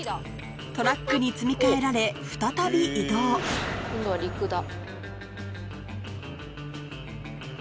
トラックに積み替えられ再び移動今度は陸だ。